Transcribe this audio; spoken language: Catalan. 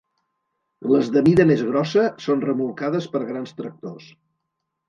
Les de mida més grossa són remolcades per grans tractors.